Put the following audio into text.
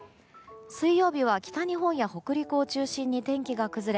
水曜日は、北日本や北陸を中心に天気が崩れ